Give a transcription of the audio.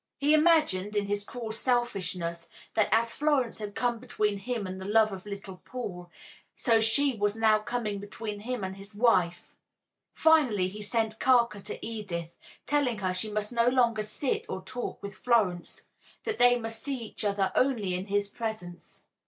He imagined, in his cruel selfishness, that as Florence had come between him and the love of little Paul, so she was now coming between him and his wife. Finally he sent Carker to Edith, telling her she must no longer sit or talk with Florence that they must see each other only in his presence.